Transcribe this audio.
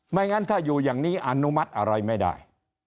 งั้นถ้าอยู่อย่างนี้อนุมัติอะไรไม่ได้